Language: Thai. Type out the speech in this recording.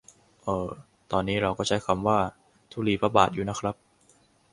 เอ่อ ตอนนี้เราก็ใช้คำว่า ธุลีพระบาท อยู่นะครับ